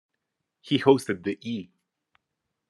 He hosted the E!